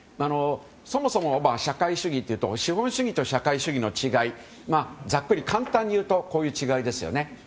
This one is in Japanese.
そもそも社会主義というと資本主義と社会主義の違いはざっくり簡単にいうとこういう違いですよね。